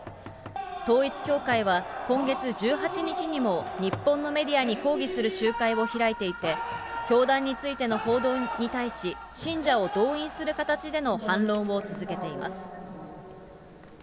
統一教会は、今月１８日にも、日本のメディアに抗議する集会を開いていて、教団についての報道に対し、信者を動員する形での反論を続けています。